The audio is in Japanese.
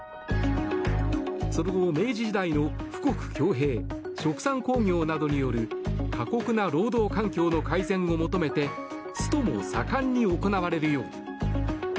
その後、明治時代の富国強兵、殖産興業などによる過酷な労働環境の改善を求めてストも盛んに行われるように。